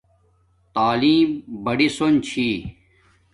تعلیم بڑی سون چھی